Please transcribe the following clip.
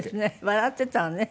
笑っていたわね。